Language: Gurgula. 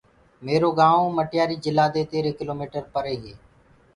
ميرو گائونٚ مٽياري جِلا دي تيرهي ڪِلو ميٽر پري هي۔